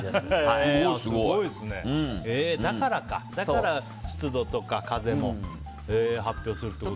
だから湿度とか風も発表するっていう。